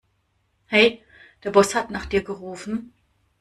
Hey, der Boss hat nach dir gerufen.